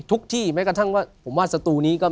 ที่แม้กระทั่งว่าผมว่าสตูนี้ก็